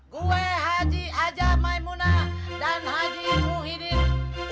gue haji aja maimunah dan haji muhyiddin